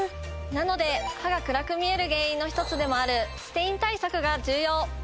なので歯が暗く見える原因の１つでもあるステイン対策が重要！